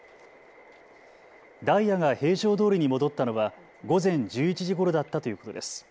ダイヤが平常どおりに戻ったのは午前１１時ごろだったということです。